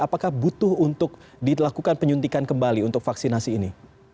apakah butuh untuk dilakukan penyuntikan kembali untuk vaksinasi ini